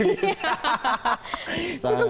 itu kan susah banget